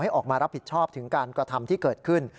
ออกมารับผิดชอบถึงการกระทำที่เกิดขึ้น